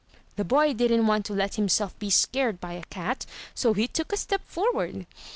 The boy didn't want to let himself be scared by a cat, so he took a step forward.